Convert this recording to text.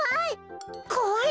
こわい？